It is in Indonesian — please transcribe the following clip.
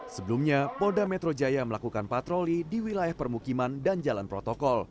sebelumnya polda metro jaya melakukan patroli di wilayah permukiman dan jalan protokol